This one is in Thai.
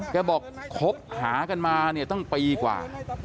แกบอกคบหากันมาเนี่ยตั้งปีกว่า